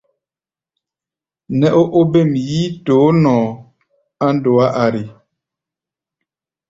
Nɛ́ ó óbêm yíítoó nɔʼɔ á ndɔá ari.